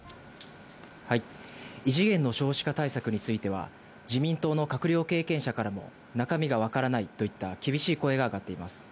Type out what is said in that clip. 異次元の少子化対策については、自民党の閣僚経験者からも、中身が分からないといった厳しい声が上がっています。